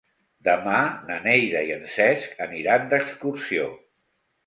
Demà na Neida i en Cesc aniran d'excursió.